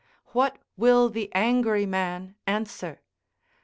What will the angry man answer?